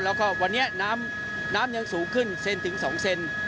แล้วก็วันนี้น้ำยังสูงขึ้นเซนถึง๒เซน